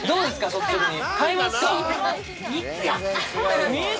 率直に。